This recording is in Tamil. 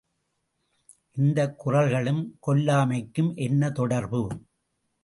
இந்தக் குறளுக்கும் கொல்லாமைக்கும் என்ன தொடர்பு?